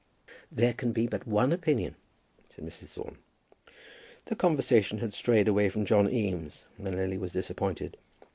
"There can be but one opinion," said Mrs. Thorne. The conversation had strayed away from John Eames, and Lily was disappointed.